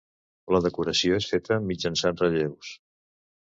La decoració és feta mitjançant relleus.